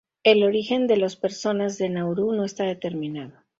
El origen de los personas de Nauru no está determinado.